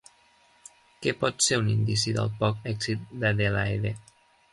Què pot ser un indici del poc èxit d'Adelaide?